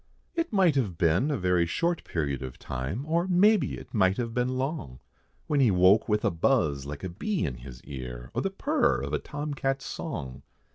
It might have been a very short period of time, Or maybe it might have been long, When he woke with a buzz like a bee in his ear, Or the purr of a tom cat's song.